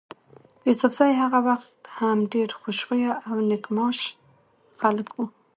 يوسفزي هغه وخت هم ډېر خوش خویه او نېک معاش خلک ول.